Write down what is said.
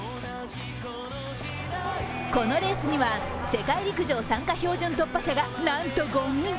このレースには、世界陸上参加標準突破者がなんと５人。